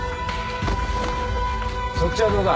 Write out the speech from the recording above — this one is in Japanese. そっちはどうだ？